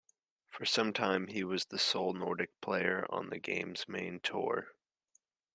For some time he was the sole Nordic player on the game's main tour.